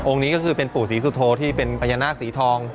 นี้ก็คือเป็นปู่ศรีสุโธที่เป็นพญานาคสีทอง